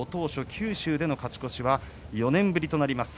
九州での勝ち越しは４年ぶりとなります。